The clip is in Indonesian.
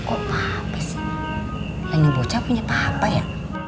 oh apa sih ini bocah punya papa ya